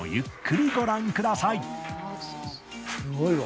すごいわ。